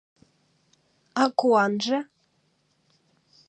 А куанже?